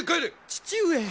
父上！